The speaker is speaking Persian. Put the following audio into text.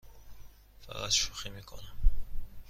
فقط شوخی می کنم.